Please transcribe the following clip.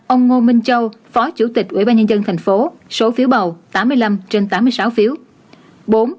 ông ngô minh châu phó chủ tịch ủy ban nhân dân tp số phiếu bầu tám mươi năm trên tám mươi sáu phiếu